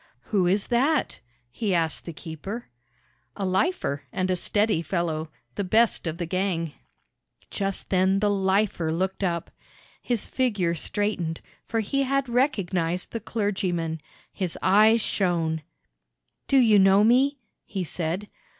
"Who is that?" he asked the keeper. "A lifer, and a steady fellow the best of the gang." Just then the "lifer" looked up. His figure straightened, for he had recognized the clergyman. His eyes shone. "Do you know me?" he said.